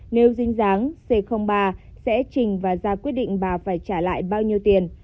nếu dính dáng c ba sẽ trình và ra quyết định bà phải trả lại bao nhiêu tiền